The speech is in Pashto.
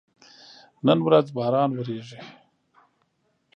نن ورځ باران وریږي